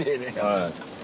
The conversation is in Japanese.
はい。